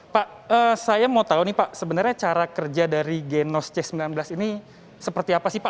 pak saya mau tahu nih pak sebenarnya cara kerja dari genos c sembilan belas ini seperti apa sih pak